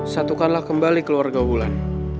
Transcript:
satukan kembali keluarga wulan